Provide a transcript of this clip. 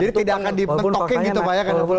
jadi tidak akan di betokin gitu pak ya